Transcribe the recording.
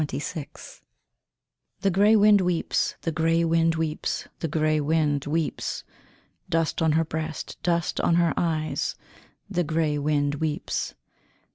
XXVI The grey wind weeps, the grey wind weeps, the grey wind weeps. Dust on her breast, dust on her eyes, The grey wind weeps.